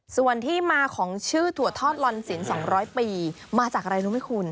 ส่วนที่มาของชื่อถั่วทอดลอนสิน๒๐๐ปีมาจากอะไรรู้ไหมคุณ